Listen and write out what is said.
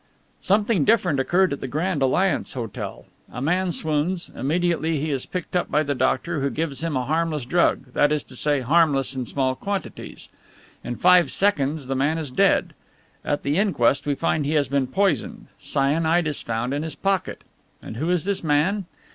"Something different occurred at the Grand Alliance Hotel. A man swoons, immediately he is picked up by the doctor, who gives him a harmless drug that is to say, harmless in small quantities. In five seconds the man is dead. At the inquest we find he has been poisoned cyanide is found in his pocket. And who is this man?